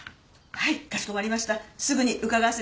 はい。